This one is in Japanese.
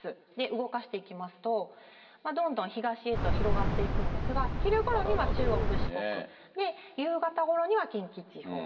動かしていきますと、どんどん東へと広がっていくんですが、昼ごろには中国、四国、夕方ごろには近畿地方。